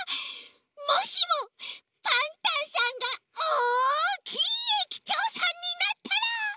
もしもパンタンさんがおおきいえきちょうさんになったら。